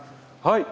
はい！